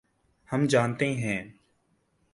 ہم جانتے ہیں۔